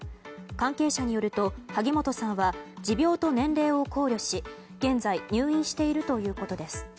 関係者によると萩本さんは持病と年齢を考慮し現在、入院しているということです。